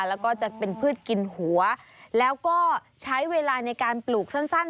แล้วก็จะเป็นพืชกินหัวแล้วก็ใช้เวลาในการปลูกสั้น